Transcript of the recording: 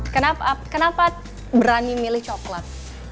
kenapa berani memilih coklat